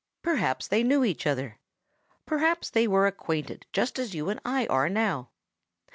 Perhaps they knew each other. Perhaps they were acquainted just as you and I are now.